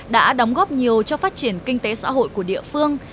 đã đóng góp nhiều cho phát triển kinh tế xã hội của địa phương